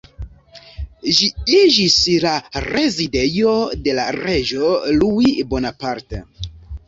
Ĝi iĝis la rezidejo de la reĝo Louis Bonaparte.